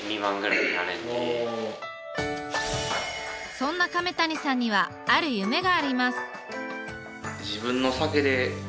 そんな亀谷さんにはある夢があります。